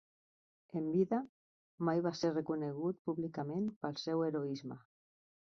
En vida, mai va ser reconegut públicament pel seu heroisme.